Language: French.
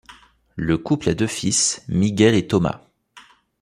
Le couple a deux fils, Miguel et Thomas.